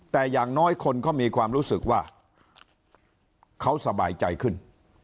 แต่อย่างน้อยคนก็มีความรู้สึกว่าเขาสบายใจขึ้น